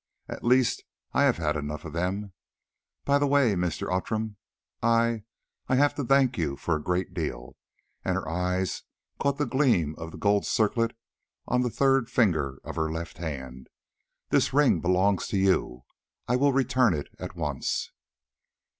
At least I have had enough of them. By the way, Mr. Outram, I—I—have to thank you for a great deal;" here her eyes caught the gleam of the gold circlet on the third finger of her left hand—"this ring belongs to you, I will return it at once."